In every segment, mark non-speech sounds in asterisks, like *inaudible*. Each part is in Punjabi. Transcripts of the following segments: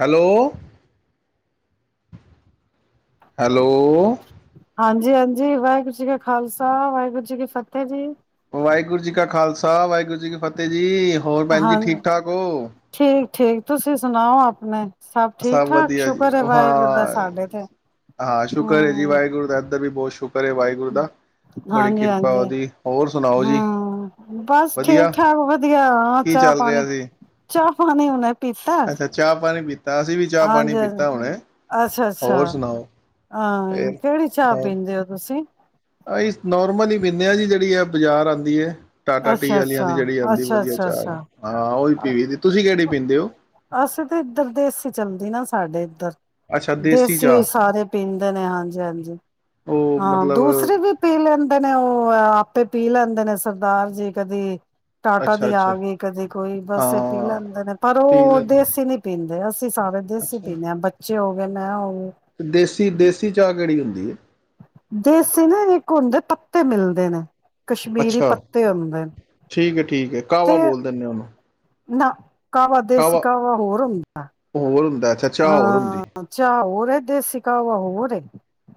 ਹੈਲੋ। ਹੈਲੋ। ਹਾਂਜੀ ਹਾਂਜੀ ਵਾਹਿਗੁਰੂ ਜੀ ਕਾ ਖਾਲਸਾ ਵਾਹਿਗੁਰੂ ਜੀ ਕੀ ਫਤਿਹ ਜੀ। ਵਾਹਿਗੁਰੂ ਜੀ ਕਾ ਖਾਲਸਾ ਵਾਹਿਗੁਰੂ ਜੀ ਕੀ ਫਤਿਹ ਜੀ। ਹੋਰ ਭੈਣ ਜੀ ਹਾਂ ਠੀਕ ਠਾਕ ਹੋ? ਠੀਕ ਠੀਕ ਤੁਸੀਂ ਸੁਣਾਓ ਆਪਣੇ ਸਭ ਠੀਕ-ਠਾਕ? ਵਧੀਆ ਜੀ। ਸ਼ੁਕਰ ਹੈ ਵਾਹਿਗੁਰੂ ਦਾ ਹਾਂ ਸਾਡੇ ਤੇ ਹਾਂ ਸ਼ੁਕਰ ਹੈ ਜੀ ਵਾਹਿਗੁਰੂ ਸਾਹਿਬ ਦਾ ਵੀ ਬਹੁਤ ਸ਼ੁਕਰ ਹੈ ਵਾਹਿਗੁਰੂ ਦਾ, ਬੜੀ ਹਾਂਜੀ ਕਿਰਪਾ ਹਾਂਜੀ ਉਹਦੀ, ਹੋਰ ਸੁਣਾਓ ਜੀ? ਹੂੰ ਬਸ ਵਧੀਆ, ਠੀਕ ਠਾਕ ਵਧੀਆ ਕੀ ਚਾਹ ਚੱਲ ਪਾਣੀ ਰਿਹਾ ਸੀ? ਚਾਹ ਪਾਣੀ ਹੁਣੇ ਅੱਛਾ ਚਾਹ ਪਾਣੀ ਪੀਤਾ ਅਸੀਂ ਵੀ ਚਾਹ ਪਾਣੀ ਹਾਂਜੀ ਹਜੀ ਪੀਤਾ ਹੁਣੇ, ਅੱਛਾ ਅੱਛਾ ਹੋਰ ਸੁਣਾਓ? ਹਾਂ ਕਿਹੜੀ ਚਾਹ ਪੀਂਦੇ ਹੋ ਤੁਸੀਂ। ਆ ਨੋਰਮਲ ਹੀ ਪੀਣੇ ਆ ਜੀ ਜਿਹੜੀ ਹੈ ਬਜ਼ਾਰ ਆਦੀ ਆ। ਟਾਟਾ ਟੀ ਵਾਲੀਆਂ ਅੱਛਾ-ਅੱਛਾ, ਦੀ ਜਿਹੜੀ ਆਂਦੀ ਵਧੀਆ ਚਾਹ ਅੱਛਾ-ਅੱਛਾ-ਅੱਛਾ। ਹਾਂ ਉਹ ਹੀ ਪੀਵ ਦੀ ਤੁਸੀਂ ਕਿਹੜੀ ਪੀਂਦੇ ਹੋ। ਅਸੀਂ ਤੇ ਇੱਧਰ ਦੇਸੀ ਚੱਲਦੀ ਨਾ ਸਾਡੇ ਇੱਧਰ ਅੱਛਾ ਦੇਸੀ ਹੋ ਚਾਹ ਸਾਰੇ ਪੀਂਦੇ ਨੇ ਹਾਂਜੀ ਹਾਂਜੀ ਉਹ ਹਾਂ ਮਤਲਬ ਦੂਸਰੇ ਵੀ ਪੀ ਲੈਂਦੇ ਨੇ ਉਹ ਤੇ ਪੀ ਲੈਂਦੇ ਨੇ ਸਭ ਸਰਦਾਰ ਜੀ ਕਦੀ ਟਾਟਾ ਅੱਛਾ ਦੀ ਆ ਅੱਛਾ ਗਈ ਕਦੇ ਕੋਈ ਬਸ ਇਹ ਪੀ ਹਾਂ ਲੈਂਦੇ ਨੇ ਪਰ ਪੀ ਉਹ ਲੈਂਦੇ ਦੇਸੀ ਨਹੀਂ ਪੀਂਦੇ ਅਸੀਂ ਸਾਰੇ ਦੇਸੀ ਪੀਂਦੇ ਹਾਂ ਬੱਚੇ ਹੋ ਲੈ ਹੋ ਗਈ ਤੇ ਦੇਸੀ ਦੇਸੀ ਚਾਹ ਕਿਹੜੀ ਹੁੰਦੀ ਦੀ ਏ ਦੇਸੀ ਨਾ ਇੱਕ ਹੁੰਦੇ ਪੱਤੇ ਮਿਲਦੇ ਨੇ ਕਸ਼ਮੀਰੀ ਅੱਛਾ ਪੱਤੇ ਹੁੰਦੇ ਨੇ ਠੀਕ ਹੈ ਠੀਕ ਹੈ ਤੇ ਕਾਹਵਾ ਬੋਲ ਦਿੰਦੇ ਉਹਨੂੰ *unintelligible* ਕਾਹਵਾ ਦੇਸੀ ਕਾਹਵਾ ਹੋਰ ਹੁੰਦਾ। ਹੋਰ ਹੁੰਦਾ ਅੱਛਾ ਚਾਹ ਹੋਰ ਹੁੰਦੀ ਹਾਂ ਚਾਹ ਹੋਰ ਹੈ ਦੇਸੀ ਕਾਹਵਾ ਹੋਰ ਏ।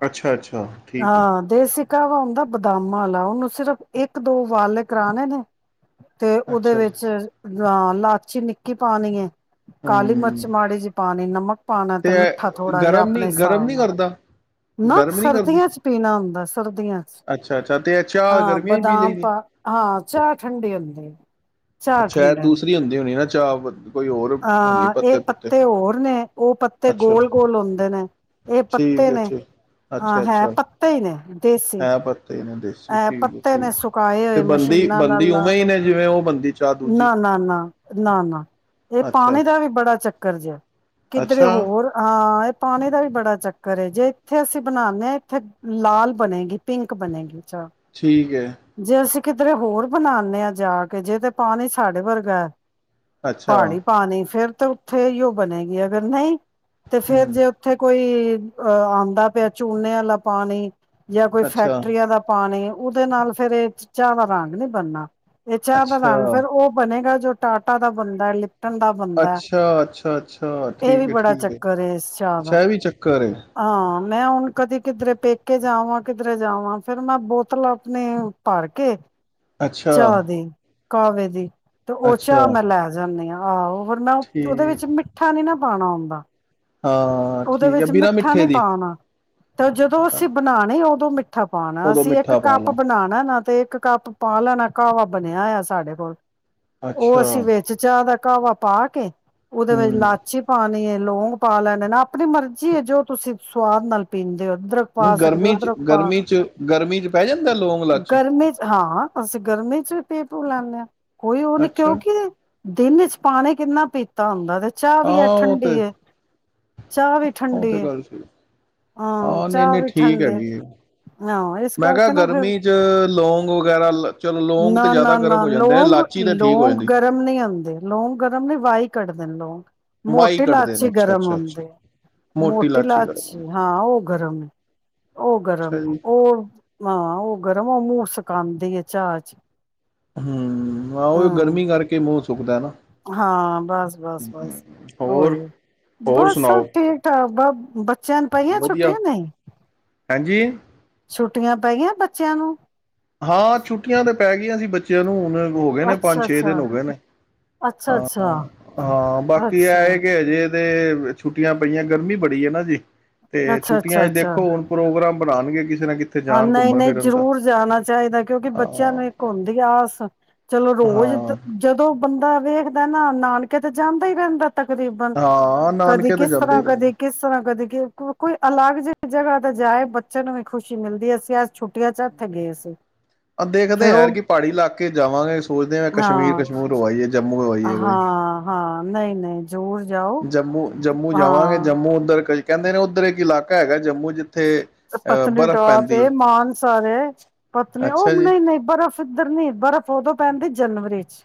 ਅੱਛਾ ਅੱਛਾ ਠੀਕ ਹੈ ਹਾਂ ਦੇਸੀ ਕਾਵਾ ਹੁੰਦਾ ਬਦਾਮਾਂ ਵਾਲਾ ਉਹਨੂੰ ਸਿਰਫ਼ ਇੱਕ ਦੋ ਵਾਲੇ ਕਰਾਣੇ ਨੇ ਤੇ ਉਹਦੇ ਅੱਛਾ ਵਿੱਚ ਅ ਲਾਚੀ ਨਿੱਕੀ ਪਾਣੀ ਏ ਕਾਲੀ ਹਮ ਮਰਚ ਮਾੜੀ ਜੀ ਪਾਣੀ ਨਮਕ ਪਾਉਣਾ ਤੇ ਮਿੱਠਾ ਇਹ ਥੋੜਾ ਜਿਹਾ ਗਰਮ ਆਪਣੇ ਨੀ ਗਰਮ ਹਿਸਾਬ ਨੀ ਨਾਲ ਕਰਦਾ ਨਾ ਸਰ ਗਰਮ ਨੀ ਕਰਦੀ ਸਰਦੀਆਂ 'ਚ ਪੀਣਾ ਹੁੰਦਾ ਸਰਦੀਆਂ 'ਚ ਅੱਛਾ ਅੱਛਾ ਤੇ ਇਹ ਚਾਹ ਹਾਂ ਗਰਮੀਆਂ ਹੀ ਪੀ ਬਦਾਮ ਲਈਦੀ ਪਾ ਹਾਂ ਚਾਹ ਠੰਢੇ ਹੁੰਦੀ ਚਾਹ ਅੱਛਾ ਇਹ ਠੰਡੇ ਹੁੰਦੀ। ਦੂਸਰੀ *unintelligible* ਹੋਣੀ ਹਾਂ ਇਹ ਪੁੱਤੇ ਪੱਤੇ ਹੋਰ ਨੇ ਉਹ ਪ ਤੇ ਅੱਛਾ ਗੋਲ ਗੋਲ ਹੁੰਦੇ ਨੇ ਇਹ ਪੱਤੇ ਠੀਕ ਹੈ ਨੇ ਠੀਕ ਹਾਂ ਅੱਛਾ ਹੈ ਅੱਛਾ ਪੱਤੇ ਹੀ ਨੇ ਦੇਸੀ ਹੈ ਪੱਤੇ ਨੇ ਦੇਸੀ ਇਹ ਠੀਕ ਹੈ ਪੱਤੇ ਠੀਕ ਨੇ ਸੁਕਾਏ ਹੋਏ ਮਸ਼ੀਨਾਂ ਨਾਲ ਲਾ ਲਓ। ਬਣਦੀ ਨਾ -ਨਾ -ਨਾ -ਨਾ -ਨਾ ਇਹ ਅੱਛਾ ਪਾਣੀ ਦਾ ਅੱਛਾ ਵੀ ਬੜਾ ਚੱਕਰ ਜਿਹਾ ਕਿਧਰੇ ਅੱਛਾ ਹੋਰ ਹਾਂ। ਪਾਣੀ ਦਾ ਵੀ ਬੜਾ ਚੱਕਰ ਏ, ਜੇ ਇੱਥੇ ਅਸੀਂ ਬਣਾਉਂਦੇ ਹਾਂ ਇੱਥੇ ਲਾਲ ਬਣੇਗੀ, ਪਿੰਕ ਬਣੇਗੀ ਅੱਛਾ, ਠੀਕ ਹੈ ਜੇ ਅਸੀਂ ਕਿਧਰੇ ਹੋਰ ਬਣਾਣੇ ਜਾ ਕੇ ਜੇ ਤੇ ਪਾਣੀ ਸਾਡੇ ਵਰਗਾ ਅੱਛਾ ਪਹਾੜੀ ਪਾਣੀ ਫਿਰ ਤਾਂ ਉੱਥੇ ਹੀ ਉਹ ਬਣੇਗੀ ਅਗਰ ਨਹੀਂ। ਤੇ ਫੇਰ ਹਮ ਜੇ ਉੱਥੇ ਕੋਈ ਅਹ ਆਉਂਦਾ ਪਿਆ ਹੈ ਝੂਨੇ ਵਾਲਾ ਪਾਣੀ ਜਾਂ ਕੋਈ ਅੱਛਾ ਫੈਕਟਰੀਆਂ ਦਾ ਪਾਣੀ ਉਹਦੇ ਨਾਲ ਫਿਰ ਇਹ ਚੀਜਾ ਦਾ ਰੰਗ ਨੀ ਬਣਨਾ। ਜੇ ਚਾਹ ਅੱਛਾ ਬਨਾਨ ਫੇਰ ਉਹ ਬਣੇਗਾ ਜੋ ਟਾਟਾ ਦਾ ਬੰਦਾ ਹੈ। ਅੱਛਾ ਅੱਛਾ ਅੱਛਾ ਇਹ ਵੀ ਠੀਕ ਹੈ ਬੜਾ ਠੀਕ ਹੈ ਚੱਕਰ ਇਸ ਚਾਹ ਦਾ ਅੱਛਾ ਇਹ ਵੀ ਚੱਕਰ ਹੇ। ਹਾਂ ਮੈਂ ਹੁਣ ਕਦੀ ਕਿਧਰੇ ਪੇ ਕੇ ਜਾਵਾਂ, ਕਿਧਰੇ ਜਾਵਾਂ ਫੇਰ ਮੈਂ ਬੋਤਲ ਆਪਣੀ ਭਰ ਕੇ ਅੱਛਾ ਕਾਵੇ ਦੀ ਤੇ ਉਹ ਅੱਛਾ ਚਾਹ ਮੈਂ ਲੈ ਜਾਨੀਆਂ। ਆਹੋ-' ਹੋਰ ਨਾ ਉਹਦੇ ਠੀਕ ਵਿੱਚ ਮਿੱਠਾ ਨੀ ਨਾ ਪਾਣਾ ਹੁੰਦਾ। ਹਾਂ ਉਹਦੇ ਠੀਕ ਹੈ ਵਿੱਚ ਬਿਨਾਂ ਮਿੱਠਾ ਮਿੱਠੇ ਨੀ ਦੀ ਪਾਉਣਾ ਤੇ ਜਦੋਂ ਅਸੀਂ ਬਣਾਣੀ ਉਦੋ ਮਿੱਠਾ ਪਾਣਾ ਉਦੋਂ ਅਸੀਂ ਇੱਕ ਮਿੱਠਾ ਪਾ ਕੱਪ ਲਓ ਬਣਾਣਾ ਨਾਲ ਤੇ ਇੱਕ ਕੱਪ ਪਾ ਲੈਣਾ ਕਾਹਵਾ ਬਣਿਆ ਹੋਆ ਸਾਡੇ ਕੋਲ ਉਹ ਅੱਛਾ ਅਸੀਂ ਵਿੱਚ ਚਾਹ ਦਾ ਕਾਹਵਾ ਪਾ ਕੇ ਉਹਦੇ ਵਿੱਚ ਹਮ ਲਾਚੀ ਪਾਣੀ ਏ। ਲੋਂਂਗ ਪਾ ਲੈਣੇ ਨਾ ਆਪਣੀ ਮਰਜ਼ੀ ਹੈ ਜੋ ਤੁਸੀਂ ਸੁਵਾਦ ਨਾਲ ਪੀਂਦੇ ਹੋ। ਅਦਰਕ ਨਹੀਂ ਪਾ ਸਕਦੇ ਹੋ ਗਰਮੀ ਚ ਅਦਰਕ ਪਾ ਗਰਮੀ ਚ ਗਰਮੀ ਚ ਪੈ ਜਾਂਦਾ ਲੌਗ ਲਾਚੀ ਗਰਮੀ ਚ ਹਾਂ ਅਸੀਂ ਗਰਮੀ ਚ ਵੀ ਪੀ ਪੂ ਲੈਂਦੇ ਹਾਂ। ਕੋਈ ਉਹ ਨੀ ਅੱਛਾ ਕਿਉਂਕਿ ਦਿਨ ਚ ਪਾਣੀ ਕਿੰਨਾ ਪੀ ਤਾਂ ਹੁੰਦਾ ਤੇ ਚਾਹ ਹਾਂ ਵੀ ਹੈ ਉਹ ਤੇ ਠੰਡੀ ਹੈ। ਚਾਹ ਵੀ ਉਹ ਠੰਡੀ ਤੇ ਹੈ। ਗੱਲ ਸਹੀ ਹਾਂ ਨਹੀਂ ਚਾਹ ਨਹੀਂ ਵੀ ਠੀਕ ਠੰਡੇ ਹੈਗੀ, ਹਾਂ ਇਸ ਮੈਂ ਕਿਹਾ ਕਰਕੇ ਨਾ ਫਿਰ ਗਰਮੀ ਚ ਲੌਗ ਵਗੈਰਾ ਲਾਚੀ ਚਲੋ ਲੌਂਗ ਤੇ ਨਾ ਜ਼ਿਆਦਾ ਨਾ ਗਰਮ ਨਾ ਹੋ ਜਾਂਦੇ ਨੇ ਲੌਗ, ਤਾਂ ਠੀਕ ਹੋ ਲੌਂਗ ਜਾਂਦੀ। ਗਰਮ ਨਹੀਂ ਹੁੰਦੇ। ਲੌਗ ਗਰਮ ਨੀ ਵਾਈ ਕੱਢਦੇ ਨੇ ਲੋੰਗ। ਵਾਈ ਮੋਟੀ ਕੱਢਦੇ ਨੇ ਲਾਚੀ ਅੱਛਾ ਗਰਮ ਅੱਛਾ ਹੁੰਦੀ ਅੱਛਾ ਏ, ਮੋਟੀ ਲਾਚੀ ਹਾਂ ਔ ਗਰਮ ਏ ਔ ਅੱਛਾ ਗਰਮ ਏ ਜੀ। ਔ ਹਾਂ ਔ ਗਰਮ ਔ ਮੂੰਹ ਸੁਕਾਂਦੀ ਏ। ਚਾਹ ਚ। ਹੂੰ, ਆਹੋ ਗਰਮੀ ਹੂੰ ਕਰਕੇ ਮੌਸਮ ਸੁਕਦਾ ਨਾ। ਹਾਂ, ਬਸ ਬਸ ਬਸ ਹੋਰ ਓਹੀਓ। ਹੋਰ ਬਸ, ਸਭ ਸੁਣਾਓ ਠੀਕ ਠਾਕ ਬੱਚੇ ਚਿਆਂ ਨ ਪਈਆਂ ਵਧੀਆ ਛੁੱਟੀਆਂ ਨਹੀਂ। ਹਾਂਜੀ। ਛੁੱਟੀਆਂ ਪੈ ਗਈਆ ਬੱਚਿਆਂ ਨੂੰ ਹਾਂ, ਛੁੱਟੀਆਂ ਤੇ ਪੈ ਗਈਆਂ ਸੀ ਬੱਚੇ ਚਿਆ ਨੂੰ ਹੁਣ ਹੋ ਗਏ ਨੇ ਪੰਜ ਅੱਛਾ ਛੇ ਦਿਨ ਅੱਛਾ ਹੋ ਗਏ ਨੇ। ਅੱਛਾ ਹਾਂ ਅੱਛਾ ਹਾਂ, ਬਾਕੀ ਐਹ ਅੱਛਾ ਏ ਕਿ ਹਜੇ ਇਹਦੇ ਛੁੱਟੀਆਂ ਪਈਆਂ ਗਰਮੀ ਬੜੀ ਏ ਨਾ ਜੀ। ਤੇ ਅੱਛਾ ਛੁੱਟੀਆਂ ਅੱਛਾ ਚ ਅੱਛਾ ਦੇਖੋ ਹੁਣ ਪ੍ਰੋਗਰਾਮ ਬਣਾਨਗੇ ਕਿਸ ਹਾਂ, ਨਹੀਂ ਨਹੀਂ ਜ਼ਰੂਰ ਜਾਣਾ ਚਾਹੀਦੈ ਕਿਉਂਕਿ, ਬੱਚਿਆਂ ਨੂੰ ਇੱਕ ਹਾਂ ਹੁੰਦੀ ਆਸ ਚਲੋ ਰੋਜ਼ ਦੀ ਹਾਂ ਜਦੋਂ ਬੰਦੇ ਵੇਖਦਾ ਨਾ ਨਾਨਕੇ ਤੇ ਜਾਂਦਾ ਈ ਰਹਿੰਦੈ। ਤਕਰੀਬਨ ਹਾਂ ਕਦੀ ਨਾਨਕੇ ਤੇ ਕਿਸ ਜਾਂਦੇ ਹੀ ਤਰ੍ਹਾਂ ਰਹਿੰਦੇ ਕਦੇ ਕਿਸ ਤਰ੍ਹਾਂ ਕਦੇ ਕੇ ਕੋ ਕੋਈ ਅਲੱਗ ਜਿਹੀ ਜਗ੍ਹਾ ਤੇ ਜਾਏ ਬੱਚੇ ਨੂੰ ਵੀ ਖੁਸ਼ ਖੁਸ਼ੀ ਮਿਲਦੀ ਏ ਅਸੀਂ ਅਜ ਛੁੱਟੀਆਂ ਚ ਏਥੇ ਗਏ ਸੀਂ। ਅ ਦੇਖਦੇ ਐ ਐਤਕੀ ਪਹਾੜੀ ਇਲਾਕੇ ਚ ਜਾਵਾਂਗੇ‌। ਸੋਚਦੇ ਆਂ ਕਸ਼ਮੀਰ ਹਾਂ ਕਸ਼ਮੂਰ ਹੋ ਆਈਏ, ਜੰਮੂ ਹੋ ਆਈਏ ਕੋਈ। ਹਾਂ ਹਾਂ ਨਹੀਂ ਨਹੀਂ। ਜ਼ਰੂਰ ਜਾਓ ਜੰਮੂ ਜੰਮੂ ਜਾਵਾਂਗੇ ਹਾਂ ਜੰਮੂ ਉੱਧਰ ਕਈ ਕਹਿੰਦੇ ਨੇ ਉੱਧਰ ਏਕ ਇਲਾਕਾ ਹੈਗਾ ਜੰਮੂ ਜਿੱਥੇ, ਅਹ ਬਰਫ਼ ਪੈਂਦੀ ਏ। ਸਾਰੇ। ਪਤਨੀ ਔ ਨਹੀਂ ਨਹੀਂ ਬਰਫ਼ ਇੱਧਰ ਨਹੀਂ ਬਰਫ਼ ਉਦੋਂ ਪੈਂਦੀ ਜਨਵਰੀ ਚ।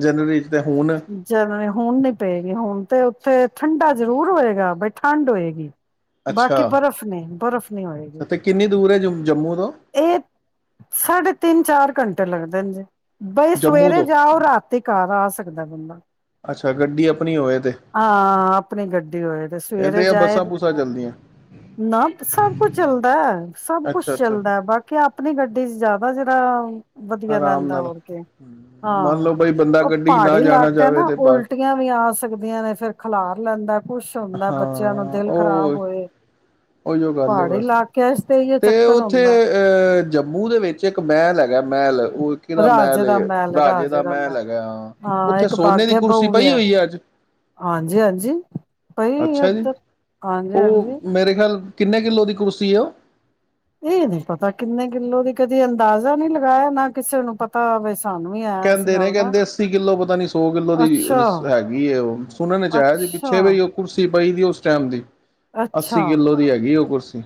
ਜਨਵਰੀ ਚ ਤੇ ਹੁਣ ਜਨਵੀ, ਹੁਣ ਨੀ ਪਏਗੀ। ਹੁਣ ਤੇ ਤੇ ਠੰਡਾ ਜ਼ਰੂਰ ਹੋਏਗਾ, ਬਈ ਠੰਡ ਹੋਏਗੀ। ਬਾਕੀ ਅੱਛਾ ਬਰਫ਼ ਨਹੀ ਬਰਫ਼ ਨਹੀਂ ਹੋਏਗੀ ਤੇ ਕਿੰਨੀ ਦੂਰ ਹੈ ਜ ਜੰਮੂ ਤੋਂ ਇਹ ਸਾਢੇ ਤਿੰਨ ਚਾਰ ਘੰਟੇ ਲਗਦੇ ਨੇ ਜੇ ਬਈ ਜੰਮੂ ਸਵੇਰੇ ਤੋਂ ਜਾਓ ਰਾਤੀ ਘਰ ਆ ਸਕੋ। ਖਦਾ ਬੰਦਾ ਅੱਛਾ ਗੱਡੀ ਆਪਣੀ ਹੋਵੇ ਤੇ ਹਾਂ ਆਪਣੀ ਗੱਡੀ ਹੋਏ ਤੇ ਇਹ ਸਵੇਰੇ ਤੇ ਜਾਏ। ਬੱਸਾਂ ਬੁੱਸਾਂ ਚੱਲਦੀਆਂ ਨਾ ਸਭ ਕੁਛ ਚੱਲਦਾ ਸਭ ਕੁੱਛ ਅੱਛਾ ਅੱਛਾ ਚੱਲਦਾ ਬਾਕੀ ਆਪਣੀ ਗੱਡੀ ਚ ਜ਼ਿਆਦਾ *unintelligible* ਵਧੀਆ ਆਰਾਮ ਰਹਿੰਦਾ ਨਾਲ ਹੋਰ ਕੀ ਮੰਨ ਹਾਂ ਲਓ ਬਈ ਬੰਦਾ ਉਹ ਗੱਡੀ ਨਾ ਪਹਾੜੀ ਜਾਣਾ ਇਲਾਕਾ ਚਾਹਵੇ ਨਾ ਤੇ ਬਾਹਰ ਉਲਟੀਆਂ ਵੀ ਆ ਸਕਦੀਆਂ ਨੇ ਫੇਰ ਖਿਲਾਰ ਲੈਂਦਾ। ਕੁਛ ਹੁੰਦਾ ਹਾਂ ਬੱਚਿਆਂ ਨੂੰ ਦਿਲ ਖ਼ਰਾਬ ਉਹ ਹੋਏ ਉਹੀਓ ਗੱਲ ਪਹਾੜੀ ਬਸ ਇਲਾਕਿਆਂ ਚ ਇਹ ਤੇ ਚੱਕਰ ਉੱਥੇ ਹੁੰਦਾ ਆਹ ਜੰਮੂ ਦੇ ਵਿੱਚ ਇੱਕ ਮਹਿਲ ਹੈਗਾ ਮਹਿਲ ਉਹ ਕਿਹੜਾ ਮਹਿਲ ਰਾਜੇ ਦਾ ਮਹਿਲ ਹੈਗਾ ਹਾਂ ਉੱਥੇ ਇੱਕ ਸੋਨੇ ਦੀ ਬਾਗੇ ਕੁਰਸੀ ਬਹੂ ਵੀ ਪਈ ਹੋਈ ਹੈ ਅੱਜ। ਹਾਂਜੀ ਹਾਂਜੀ ਪਈ ਅੱਛਾ ਜੀ, ਉੱਧਰ ਹਾਂਜੀ ਉਹ ਹਾਂਜੀ ਮੇਰੇ ਕਿੰਨੇ ਕਿੱਲੋ ਦੀ ਕੁਰਸੀ ਹੈ ਉਹ ਇਹ ਨੀ ਪਤਾ ਕਿੰਨੇ ਕਿੱਲੋ ਦੀ ਕਦੀ ਅੰਦਾਜ਼ਾ ਨਹੀਂ ਲਾਇਆ ਨਾ ਕਿਸੇ ਨੂੰ ਪਤਾ ਵੈਸੇ ਕਹਿੰਦੇ ਨੇ ਕਹਿੰਦੇ ਅੱਸੀ ਕਿੱਲੋ ਪਤਾ ਨੀ ਸੌ ਕਿੱਲੋ ਦੀ ਅੱਛਾ ਹੈਗੀ ਉਹ ਸੁਣਨ ਚ ਆਇਆ ਸੀ ਅੱਛਾ ਪਿੱਛੇ ਵੀ ਉਹ ਕੁਰਸੀ ਪਈ ਦੀ ਉਸ ਟਾਈਮ ਦੀ ਅੱਛਾ ਅੱਸੀ ਕਿੱਲੋ ਦੀ ਹੈਗੀ ਉਹ ਕੁਰਸੀ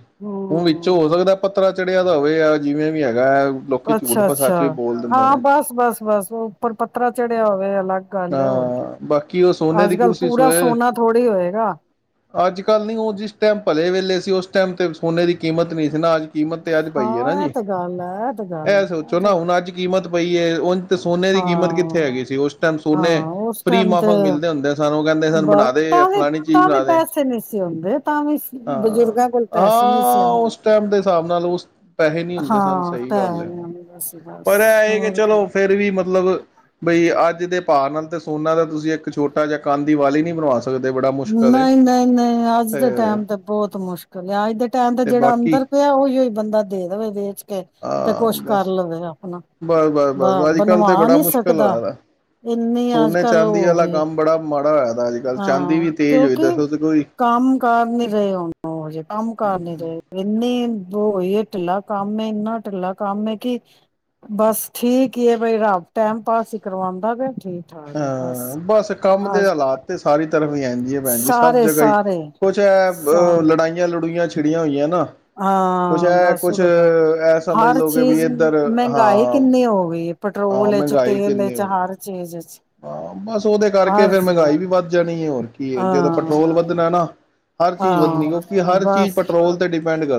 ਹੁਣ ਵਿੱਚੋਂ ਹੋ ਹਮ ਸਕਦਾ ਪੱਥਰਾ ਚ ਦਾ ਹੋਵੇ ਆ ਜਿਵੇਂ ਵੀ ਹੈਗਾ ਲੋਕੀ ਝੂਠ ਅੱਛਾ ਪਰ ਅੱਛਾ ਸੱਚ ਵੀ ਬੋਲ ਦਿੰਦੇ ਹਾਂ ਨੇ ਬਸ ਬਸ ਬਸ ਬਸ ਉੱਪਰ ਪੱਰਾ ਚੜਿਆ ਹੋਵੇ ਅਲੱਗ ਗੱਲ ਹੈ ਹੋਰ ਕੇ ਹਾਂ ਬਾਕੀ ਉਹ ਸੋਨੇ ਦੀ ਅੱਜ ਕੱਲ ਕੁਰਸੀ ਪੂਰਾ ਸੋਏ ਸੋਨਾ ਥੋੜ੍ਹੀ ਹੋਏਗਾ ਅੱਜ ਕੱਲ ਨੀ ਉਹ ਜਿਸ ਟਾਈਮ ਭਲੇ ਵੇਲੇ ਸੀ ਉਸ ਟਾਈਮ ਤੇ ਸੋਨੇ ਦੀ ਕੀਮਤ ਨਹੀਂ ਸੀ ਨਾ ਅੱਜ ਕੀਮਤ ਤੇ ਅੱਜ ਪਈ ਹੈ ਨਾ ਹਾਂ ਜੀ ਇਹ ਤੇ ਗੱਲ ਹੈ ਤੇ ਗੱਲ ਇਹ ਹੈ ਸੋਚੋ ਨਾ ਹੁਣ ਅੱਜ ਕੀਮਤ ਪਈ ਹੈ ਉਹ ਤੇ ਸੋਨੇ ਦੀ ਕੀਮਤ ਕਿੱਥੇ ਹਾਂ ਹੈਗੀ ਸੀ ਉਸ ਸੋਨੇ ਹਾਂ ਉਸ ਫ੍ਰਰੀ ਟਾਈਮ ਤੇ ਮਾਫਕ ਮਿਲਦੇ ਹੁੰਦੇ ਸਨ ਉਹ ਕਹਿੰਦੇ ਸਨ ਬਸ ਬਣਾ ਤ ਦੇ ਵੀ ਫਲਾਣੀ ਚੀਜ਼ ਤਾਂ ਵੀ ਬਣਾ ਦੇ ਪੈਸੇ ਨਹੀਂ ਸੀ ਆਂਦੇ ਤਾਂ ਵੀ ਹਾਂ ਬਜ਼ੁਰਗਾਂ ਕੋਲ ਪੈਸੇ ਨਹੀਂ ਸੀ ਹਾਂ ਆਂਦਾ ਉਸ ਟਾਈਮ ਦੇ ਹਿਸਾਬ ਨਾਲ ਉਸ ਪੈਸੇ ਨਹੀਂ ਹੁੰਦੇ ਸਨ ਸਹੀ ਪੈ ਗੱਲ ਹੈ ਨੀ ਆਉਂਦਾ ਸੀ ਬਸ ਪਰ ਐ ਇਹ ਕਿ ਹੋਰ ਕੀ। ਚਲੋ ਫੇਰ ਵੀ ਮਤਲਬ ਬਈ ਅੱਜ ਜਿਦੇ ਭਾਰ ਨਾਲ ਤੇ ਸੋਨਾ ਦਾ ਤੁਸੀਂ ਇੱਕ ਛੋਟਾ ਜਿਹਾ ਕੰਨ ਦੀ ਵਾਲੀ ਨੀ ਬਣਵਾ ਸਕਦੇ। ਬੜਾ ਮੁਸ਼ਕਿਲ ਏ ਨਹੀਂ ਨਹੀਂ ਨਹੀਂ ਅੱਜ ਦੇ ਟਾਈਮ ਤੇ ਬਹੁਤ ਮੁਸ਼ਕਿਲ ਆ ਅੱਜ ਦੇ ਟਾਈਮ ਤੇ ਜਿਹੜਾ ਅੰਦਰ ਪਿਆ ਉਹੀ ਹੀ ਬੰਦਾ ਦੇ ਦੇਵੇ ਵੇਚ ਕੇ ਤੇ ਹਾਂ ਕੁਛ ਕਰ ਬਸ ਲਵੇ ਆਪਣਾ ਬਸ ਬਸ ਬ ਬਸ ਅੱਜ ਕੱਲ੍ਹ ਤਾਂ ਬਣਵਾ ਬੜਾ ਨਹੀਂ ਮੁਸ਼ਕਿਲ ਸਕਦਾ। ਹੋਇਆ ਦਾ ਇੰਨੀ ਅੱਜ ਸੋਨੇ ਕੱਲ ਉਹ ਚਾਂਦੀ ਹੋ ਵਾਲਾ ਗਈ ਹੈ ਕੰਮ ਬੜਾ ਮਾੜਾ ਹੋਇਆ ਅੱਜ ਕੱਲ੍ਹ ਚਾਂਦੀ ਹਾਂ ਵੀ ਤੇਜ਼ ਹੋਈ ਕਿਉਂਕਿ ਦੱਸੋ ਤੇ ਕੋਈ ਕੰਮ ਕਾਰ ਨੀ ਰਹੇ ਉਹੋ ਜਹੇ ਕੰਮ ਕਾਰ ਨੀ ਰਹੇ ਇੰਨੇ ਬ ਹੋਏ ਢਿੱਲਾ ਕੰਮ ਇੰਨਾ ਢਿੱਲਾ ਕੰਮ ਕਿ ਬਸ ਠੀਕ ਹੀ ਹੈ ਬਈ ਰੱਬ ਟੈਮ ਪਾਸ ਹੀ ਕਰਵਾਉਂਦਾ ਪਿਆ। ਠੀਕ ਠਾਕ ਹੈ ਹਾਂ ਬਸ ਕੰਮ ਦੇ ਆਸ ਹਾਲਾਤ ਤੇ ਸਾਰੀ ਤਰਫ਼ ਹੀ ਆ। ਭੈਣ ਜੀ ਸਭ ਸਾਰੇ ਜਗ੍ਹਾ ਹੀ ਸਾਰੇ ਕੁਛ ਹੈ ਅ ਸਾਰੇ ਲੜਾਈਆਂ ਲੜੂਆਂ ਛਿੜੀਆਂ ਹੋਈਆਂ ਨਾ ਕੁਛ ਹਾਂ ਐ ਬਸ ਕੁਛ ਵਾ ਐ ਸਮਝ ਹਰ ਲੋਗੇ ਵੀ ਚੀਜ਼ ਇੱਧਰ ਮਹਿੰਗਾਈ ਹਾਂ ਕਿੰਨੀ ਹੋ ਗਈ। ਹਾਂ ਪੈਟਰੋਲ ਵਿੱਚ ਮਹਿੰਗਾਈ ਤੇਲ ਕਿੰਨੀ ਵਿਚ ਹੋ ਗਈ। ਹਰ ਚੀਜ਼ ਵਿੱਚ ਹਾਂ ਬਸ ਉਹਦੇ ਕਰਕੇ ਹਰ ਫਿਰ ਮਹਿੰਗਾਈ ਚੀਜ਼ ਵੀ ਵੱਧ ਜਾਣੀ ਹੈ ਹੋਰ ਕੀ ਹੈ ਜਦੋਂ ਪੈਟਰੋਲ ਹਾਂ ਵੱਧਣਾ ਨਾ ਹਰ ਚੀਜ਼ ਵਧਣੀ ਕਿਉਂਕਿ ਹਾਂ ਹਰ ਚੀਜ਼ ਬਸ ਪੈਟਰੋਲ ਤੇ ਡਿਪੈਂਡ ਕਰ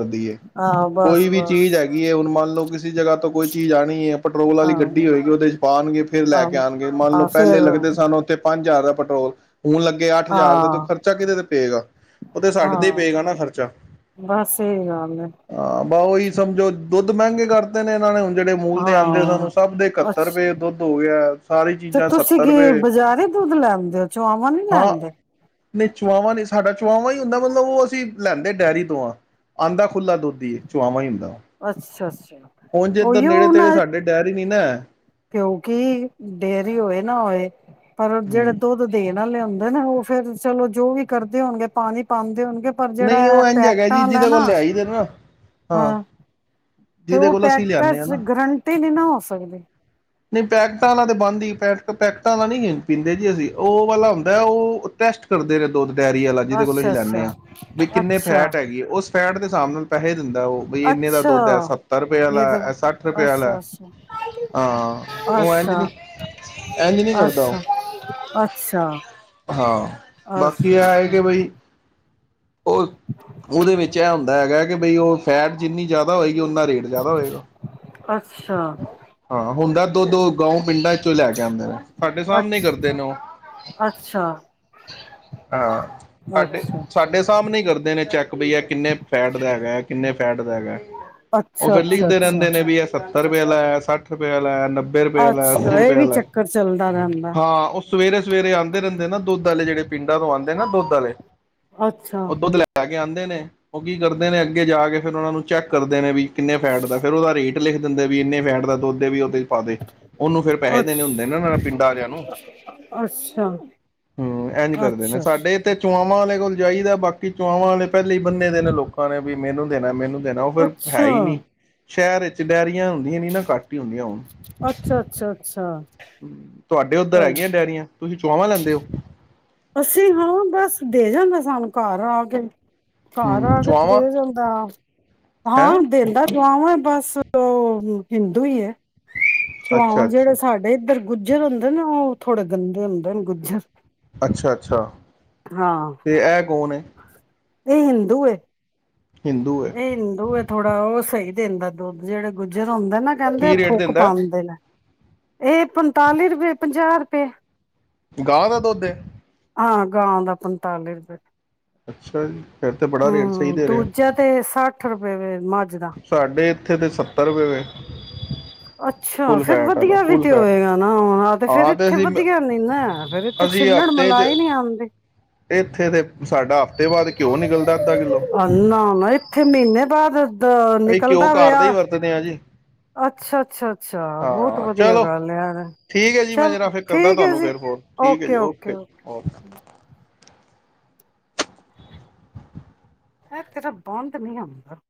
ਹਾਂ ਬਸ ਕੋਈ ਵੀ ਬਸ ਚੀਜ਼ ਹੈਗੀ ਹੈ ਹੁਣ ਮੰਨ ਲਓ ਕਿਸੇ ਜਗ੍ਹਾ ਤਾਂ ਕੋਈ ਚੀਜ਼ ਆਣੀ ਹੈ ਪੈਟਰੋਲ ਵਾਲੀ ਗੱਡੀ ਹਾਂ ਹੋਏਗੀ ਉਹਦੇ ਚ ਪਾਣਗੇ। ਫੇਰ ਲੈ ਕੇ ਆਣਗੇ ਮੰਨ ਲਓ ਹਾਂ ਫਿਰ ਪਹਿਲੇ ਲੱਗਦੇ ਸਨ ਉੱਥੇ ਪੰਜ ਜ਼ਿਆਦਾ ਪੈਟਰੋਲ ਹੁਣ ਲੱਗੇ ਅੱਠ ਹਜ਼ਾਰ ਦਾ ਤੂੰ ਹਾਂ ਖਰਚਾ ਕਿਤੇ ਤੇ ਪਏਗਾ ਉਹ ਤੇ ਸਾਡੇ ਤੇ ਹੀ ਹਾਂ ਪਏਗਾ ਨਾ ਖਰਚਾ ਬਸ ਇਹੀ ਗੱਲ ਹੈ ਹਾਂ ਬਾ ਉਹੀ ਸਮਝੋ। ਦੁੱਧ ਮਹਿੰਗੇ ਕਰਤੇ ਨੇ ਇਹਨਾਂ ਨੇ ਹੁਣ ਜਿਹੜੇ ਮੂਲ ਦੇ ਆਉਂਦੇ ਹਾਂ ਸਾਨੂੰ ਸਭ ਦੇ ਇਕੱਤਰ ਅੱਛਾ ਰੁਪਏ ਦੁੱਧ ਹੋ ਗਿਆ ਸਾਰੀ ਚੀਜ਼ਾਂ ਕਿ ਰੁਪਏ ਬਜ਼ਾਰੇ ਦੁੱਧ ਲੈਦੇਓ ਚੁਆਵਾਂ ਨੀ ਹਾਂ ਲੈਦੇ ਨਹੀਂ ਚੁਆਵਾਂ ਨਹੀਂ ਸਾਡਾ ਚੋਆਵਾਂ ਹੀ ਹੁੰਦਾ ਮਤਲਬ ਉਹ ਅਸੀਂ ਲੈਂਦੇ ਡੇਅਰੀ ਤੋਂ ਆ ਆਦਾ ਖੁੱਲ੍ਹਾ ਦੁੱਧ ਹੀ ਚੋਆਵਾਂ ਹੀ ਹੁੰਦਾ ਅੱਛਾ ਅੱਛਾ ਹੁਣ ਜੇ ਇੱਧਰ ਨੇੜੇ ਉਹੀਓ ਨਾ ਤੇੜੇ ਸਾਡੇ ਡਾਇਰ ਹੀ ਨੀ ਨਾ ਕਿਉਂਕਿ ਡੇਅਰੀ ਹੋਏ ਨਾ ਹੋਏ ਪਰ ਜਿਹੜੇ ਹੂੰ, ਦੁੱਧ ਦੇ ਨਾਲ ਲਿਆਂਦੇ। ਉਹ ਫੇਰ ਚਲੋ ਜੋ ਵੀ ਕਰਦੇ ਹੋਣਗੇ ਪਾਣੀ ਪਾਂਦੇ ਹੋਣਗੇ। ਪਰ ਨਹੀਂ ਜਿਹੜਾ ਉਹ ਇੰਝ ਹੈਗਾ ਪੈਕਟਾਂ ਜੀ ਵਾਲਾ ਜਿਹਦੇ ਨਾ ਕੋਲ ਲਿਆਈ ਦਾ ਨਾ ਹਾਂ ਤੇ ਜਿਹਦੇ ਉਹ ਕੋਲ ਅਸੀਂ ਪੈਕਟ ਲਿਆਨੇ ਆ ਚ ਨਾ। ਗਰੰਟੀ ਨਹੀਂ ਨਾ ਹੋ ਸਕਦੀ ਨਹੀਂ ਪੈਕਟਾਂ ਤੇ ਬੰਦ ਹੀ ਪ ਪੈਕਟਾਂ ਨ ਪੀਂਦੇ ਜੀ ਅਸੀਂ ਉਹ ਵਾਲਾ ਹੁੰਦਾ ਉਹ ਟੈਸਟ ਕਰਦੇ ਰਹਿੰਦੇ। ਦੁੱਧ ਡਾਇਰੀ ਵਾਲਾ ਜਿਹਦੇ ਕੋਲ ਅਸੀਂ ਅੱਛਾ ਲੈਂਦੇ ਅੱਛਾ ਹਾਂ। ਬ ਕਿੰਨੇ ਅੱਛਾ ਫੈਟ ਹੈਗੀ ਉਸ ਫੈਟ ਦੇ ਹਿਸਾਬ ਨਾਲ ਪੈਸੇ ਦਿੰਦਾ ਉਹ ਬ ਇਨੇ ਦਾ ਦੁੱਧ ਹੈ ਅੱਛਾ ਸੱਤਰ ਰੁਪਏ ਇਹ ਤਾਂ ਵਾਲਾ ਸੱਠ ਰੁਪਏ ਵਾਲਾ ਅੱਛਾ ਹਾਂ ਅੱਛਾ ਉਹ ਇੰਝ ਨੀ ਅੱਛਾ ਇੰਝ ਨਹੀਂ ਕਰਦਾ ਉਹ ਅੱਛਾ ਅੱਛਾ ਹਾਂ ਬਾਕੀ ਆ ਹੈ ਕਿ ਬਈ ਉਹ ਉਹਦੇ ਵਿੱਚ ਇਹ ਹੁੰਦਾ ਹੈਗਾ ਕਿ ਬਈ ਉਹ ਫੈਟ ਜਿੰਨੀ ਜ਼ਿਆਦਾ ਹੋਏਗੀ ਉਨਾ ਰੇਟ ਜ਼ਿਆਦਾ ਹੋਏਗਾ। ਅੱਛਾ ਅੱਛਾ ਹਾਂ ਹੁੰਦਾ ਦੋ ਦੋ ਗਊ ਪਿੰਡਾਂ ਚੋਂ ਲੈ ਕੇ ਆਂਦੇ ਨੇ ਸਾਡੇ ਸਾਹਮ ਨ ਅੱਛਾ ਕਰਦੇ ਨੇ ਉਹ ਅੱਛਾ ਹਾਂ ਸਾਡੇ ਅੱਛਾ ਸਾਡੇ ਸਾਹਮਣੇ ਕਰਦੇ ਨੇ ਚੈੱਕ ਬਈ ਹੈ ਕਿੰਨੇ ਫੈਟ ਦਾ ਹੈਗਾ ਹੈ ਕਿੰਨੇ ਫੈਟ ਦਾ ਹੈਗਾ ਉਹ ਅੱਛਾ ਅੱਛਾ ਫੇਰ ਲਿਖਦੇ ਅੱਛਾ ਅੱਛਾ ਰਹਿੰਦੇ ਨੇ ਵੀ ਇਹ ਸਰਵੇ ਲ *unintelligible* ਸੱਠ ਰੁਪਿਆ ਲੈ ਨਬ ਨੱਬੇ ਰੁਪਏ ਲੈ, ਅੱਸੀ ਅੱਛਾ ਇਹ ਰੁਪਏ ਵੀ ਲੈ। ਚੱਕਰ ਚੱਲਦਾ ਰਹਿੰਦਾ ਹਾਂ, ਉਹ ਸਵੇਰੇ -ਸਵੇਰੇ ਆਉਂਦੇ ਰਹਿੰਦੇ ਨਾ ਦੁੱਧ ਦੁੱਧੇ ਜਿਹੜੇ ਪਿੰਡਾਂ ਤੋਂ ਆਉਦੇ ਨਾ ਦੁੱਧੇ ਵਾਲੇ ਅੱਛਾ ਉਹ ਦੁੱਧ ਲੈ ਕੇ ਆਉਂਦਾ । ਦੇ ਨੇ ਉਹ ਕੀ ਕਰਦੇ ਨੇ ਅੱਗੇ ਜਾ ਕੇ ਫੇਰ ਉਹਨਾ ਨੂੰ ਚੈੱਕ ਕਰਦੇ ਨੇ ਵੀ ਕਿੰਨ ਫੈਟ ਦਾ ਫਿਰ ਉਹਦਾ ਰੇਟ *unintelligible* ਦਿੰਦੇ ਵੀ ਇੰਨੇ ਫੈਟ ਦਾ ਦੁੱਧ ਦੇ ਵੀ ਉਹਦੇ ਪਾ ਦੇ, ਉਹਨੂੰ ਫੇਿਰ ਪੈਸੇ ਅੱਛ ਦੇਣੇ ਹੁੰਦੇ ਨਾ ਪਿੰਡਾਂ ਆਿਆਂ ਨੂੰ ਅੱਛਾ । ਹਮ, ਇ ਨੀ ਕਰਦੇ ਨੇ ਅੱਛਾ ਸਾਡੇ ਇਥ ਚੋਣਾਂ ਵਾਲੇ ਕੋਲ ਜਾਈਦਾ ਬਾਕੀ ਚੋਵਾਂ ਵਾਲੇ ਪਹਿਲੇ ਹੀ ਬੰਨੇ ਦੇ ਨੇ ਲੋਕਾਂ ਨੇ ਵੀ ਮੈਨੂੰ ਦੇਣਾ ਮੈਨੂੰ ਨਾ ਉਹ ਫੇਰ ਹੈ ਹੀ ਅੱਛਾ ਅੱਛਾ ਨਹੀਂ । ਸ਼ਹਿਰ ਵਿੱਚ ਕੇ ਡੈਰੀ ਹੁੰਦੀਆਂ ਨ- ਨਾ ਘੱਟ ਹੀ ਹੁੰਦੀਆਂ ਹੁਣ ਅੱਛਾ ਹਮ ਅੱਛਾ । ਤੁਹਾਡੇ ਉੱਧਰ ਹੈਗੀਆਂ ਡਅਰੀਆਂ ਤੁਸੀਂ ਚਆਵਾਂ ਲੈਂਦੇ ਹੋ । ਅਸੀਂ ਹਾਂ ਬਸ ਦੇ ਜਾਂਦਾ ਸਾਨੂੰ ਘਰ ਆ ਕੇ ਘਰ ਆ ਹੂੰ ਕੇ ਚੁਆਵਾਂ ਦੇ ਜਾਂਦਾ, ਹੈਂ ਹਾਂ ਦਿੰਦਾ । ਵ ਬਸ ਉਹ ਹਿੰਦੂ ਹੀ ਹੈ । ਅੱਛਾ ਚਹਲ ਅੱਛਾ ਜਿਹੜੇ ਸਾਡੇ ਇੱਧਰ ਗੁ ਗੁੱਜਰ ਹੁੰਦੇ ਨੇ ਉਹ ਥੋੜੇ ਗੰਦੇ ਹੁੰਦੇ ਨੇ ਗੁੱਜਰ ਅੱਛਾ -ਅੱਛਾ । ਹਾਂ ਤੇ ਇਹ ਕੌਣ ਹੈ? ਇਹ ਹਿੰਦੂ ਹੈ । ਹਿੰਦੂ ਹੈ ਇਹ ਹਿੰਦੂ ਹੈ ਥੋੜਾ ਉਹ ਸਹੀ ਦੰਦਾ ਦੱਧ ਜਿਹੜੇ ਗੁੱਜਰ ਹੁੰਦੇ ਨਾ ਕਹਿੰਦੇ ਉਹ ਕੀ ਰੇਟ ਥੁੱਕ ਦਿੰਦਾ ਪਾਉਦੇ ਨੇ ਇਹ ਪੰਤਾਲੀ ਰੁਪਏ, ਪੰਜਾਹ ਰੁਪਏ ਗਾਹ ਦਾ ਦੁੱਧ ਹਾਂ -ਗਾਂ ਦਾ ਪੰਤਾਲੀ ਰੁਪਏ । ਅੱਛਾ ਜੀ । ਹਮ, ਦੂਜਾ ਤੇ ਸੱਠ ਰੁਪਏ । ਹ ਮੱਝ ਦਾ ਸਾਡੇ ਇੱਥੇ ਦੇ ਸੱਤਰ ਰੁਪਏ ਹੋਏ। ਅੱਛਾ ਫਿਰ ਵਧੀਆ ਵੀ ਫੁੱਲ ਤੇ ਫੈਟ ਹੋਏਗਾ ਨਾ ਆ ਤੇ ਫਿਰ ਹਾਂ ਇੱਥੇ ਅਸੀਂ ਵਧੀਆ ਨੀ ਨਾ ਫਿਰ ਇਥੇ ਅਸੀਂ ਛਿੱਲੜ ਹਫ਼ਤੇ 'ਚ ਮਿਲਾਏ ਨੀ ਆਂਦੇ। ਇੱਥੇ ਤੇ ਸਾਡਾ ਹਫ਼ਤੇ ਬਾਅਦ ਘਿਓ ਨਿਕਲਦਾ ਅੱਧਾ ਕਿੱਲੋ ਨਾ- ਨਾ ਇੱਥੇ ਮਹੀਨੇ ਬਾਅਦ ਦ ਅਸੀਂ ਘਿਓ ਨਿਕਲਦਾ ਘਰ ਦਾ ਹੀ ਪਿਆ ਵਰਤਦੇ ਹਾਂ ਜੀ ਅੱਛਾ ਅੱਛਾ ਅੱਛਾ ਬਹੁਤ ਹਾਂ ਵਧੀਆ ਚਲੋ ਗੱਲ ਆ ਯਾਰ ਠੀਕ ਹੈ ਜੀ ਮੈਂ ਚਲ ਜਰਾ ਫਿਰ ਕਰਦਾ ਠੀਕ ਹੈ ਤੁਹਾਨੂੰ ਜੀ ਫਿਰ ਫੋਨ ਠੀਕ ਹੈ ਜੀ ਓਕੇ ਓਕੇ ਓਕੇ। ਇਹ ਤੇਰਾ ਬੰਦ ਨਹੀਂ ਹੁੰਦਾ।